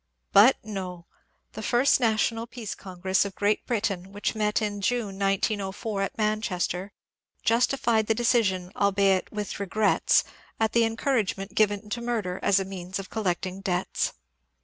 But no ! The first National Peace Congress of Great Britain, which met in June, 1904, at Manchester, justified the decision, albeit " with regrets " at the encouragement given to murder as a means of collecting debts.